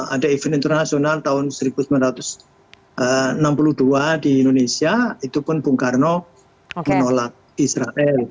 ada event internasional tahun seribu sembilan ratus enam puluh dua di indonesia itu pun bung karno menolak israel